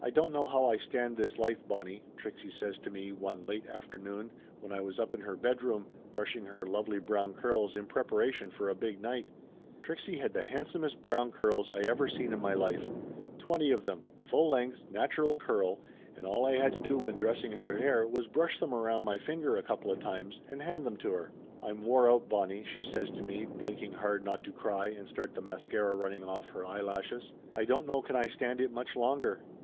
"I don't know how I stand this life, Bonnie!" Trixie says to me one late afternoon when I was up in her bedroom, brushing her lovely brown curls in prepara tion for a big night. Trixie had the handsomest brown curls I ever seen in my life twenty of them, full length, natural curl, and all I had to do when dressing her hair was brush them around my finger a coupla times and hand them to her. 152 Laughter Limited "I'm wore out, Bonnie!" she says to me, blinking hard not to cry and start the mascara running off her eyelashes. "I don't know can I stand it much longer.